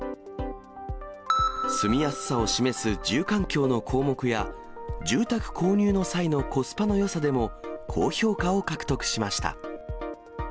住みやすさを示す住環境の項目や、住宅購入の際のコスパのよさでも高評価を獲得しました。